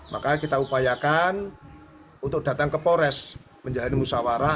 maka kita upayakan untuk datang ke pores menjalani musawarah